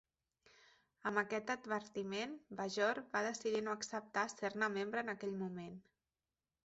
Amb aquest advertiment, Bajor va decidir no acceptar ser-ne membre en aquell moment.